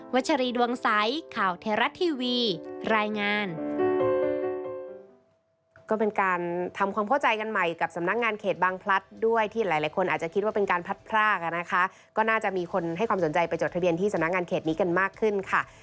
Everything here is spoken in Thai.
วัชรีดวงไซค์ข่าวเทราะทีวีรายงาน